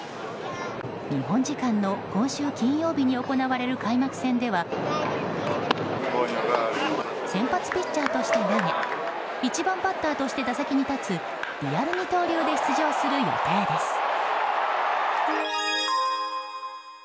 日本時間の今週金曜日に行われる開幕戦では先発ピッチャーとして投げ１番バッターとして打席に立つリアル二刀流で出場する予定です。